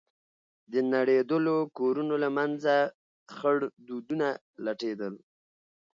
د نړېدلو كورونو له منځه خړ دودونه لټېدل.